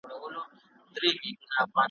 هم دا دنیا هم آخرت دی د خانانو موري `